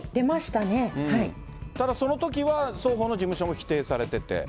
ただ、そのときは双方の事務所も否定されてて。